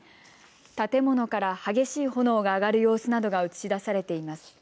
建物から激しい炎が上がる様子などが映し出されています。